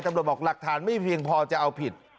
บอกหลักฐานไม่เพียงพอจะเอาผิด